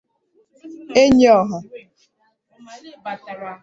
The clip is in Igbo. Enyi ọha